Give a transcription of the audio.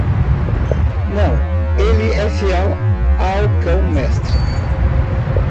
Não, ele é fiel ao cão mestre.